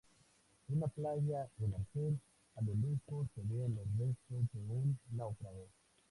Una playa en Argel, a lo lejos se ven los restos de un naufragio.